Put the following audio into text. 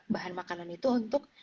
bahan makanan itu untuk